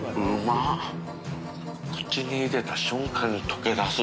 淵船礇鵝口に入れた瞬間に溶けだす。